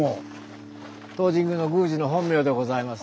当神宮の宮司の本名でございます。